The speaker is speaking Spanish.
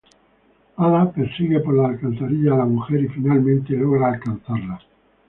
Ada persigue por las alcantarillas a la mujer y finalmente logra alcanzarla.